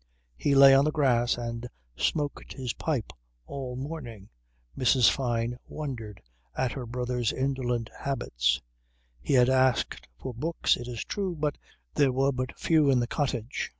He lay on the grass and smoked his pipe all the morning. Mrs. Fyne wondered at her brother's indolent habits. He had asked for books it is true but there were but few in the cottage.